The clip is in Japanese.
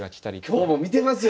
今日も見てますよ